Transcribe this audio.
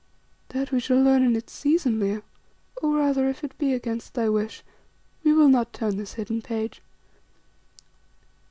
"That we shall learn in its season, Leo. Or, rather, if it be against thy wish, we will not turn this hidden page.